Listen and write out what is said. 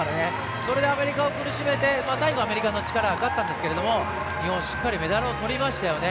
それでアメリカを苦しめて最後はアメリカが勝ったんですけども日本、しっかりメダルをとりましたよね。